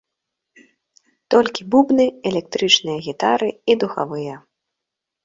Толькі бубны, электрычныя гітары і духавыя.